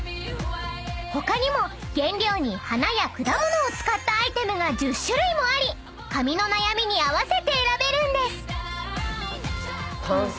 ［他にも原料に花や果物を使ったアイテムが１０種類もあり髪の悩みに合わせて選べるんです］